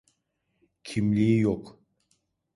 Kimliği yok.